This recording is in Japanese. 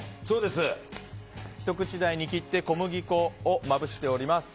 ひと口大に切って小麦粉をまぶしております。